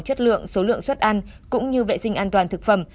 chất lượng số lượng suất ăn cũng như vệ sinh an toàn thực phẩm